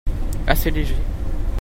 Assez léger.